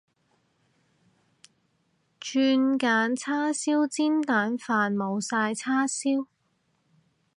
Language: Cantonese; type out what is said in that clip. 轉揀叉燒煎蛋飯，冇晒叉燒